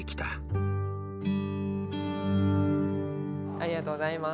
ありがとうございます。